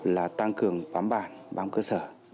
là tăng cường bám bản bám cơ sở